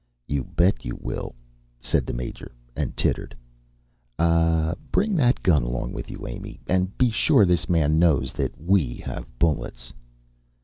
"You bet you will," said the Major, and tittered. "Ah, bring that gun along with you, Amy. And be sure this man knows that we have bullets."